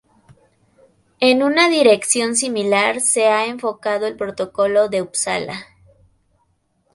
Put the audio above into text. En una dirección similar se ha enfocado el Protocolo de Upsala.